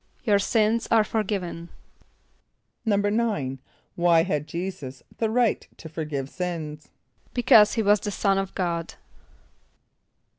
="Your sins are forgiven."= =9.= Why had J[=e]´[s+]us the right to forgive sins? =Because he was the son of God.